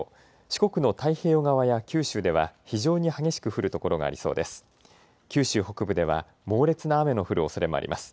四国の太平洋側や九州では非常に激しく降る所がありそうです。